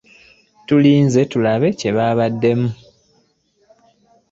Tulinze tulabe kye babaddamu.